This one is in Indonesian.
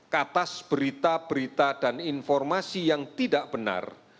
ke atas berita berita dan informasi yang tidak benar